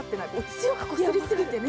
強くこすりすぎてね。